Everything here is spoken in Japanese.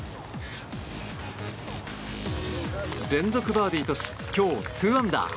連続バーディーとし今日２アンダー。